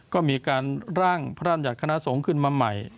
ก็มีการร่างพระราชบัญญัติคณะสงฆ์ขึ้นมาใหม่